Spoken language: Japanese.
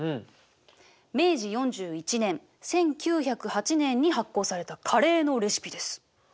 明治４１年１９０８年に発行されたカレーのレシピです。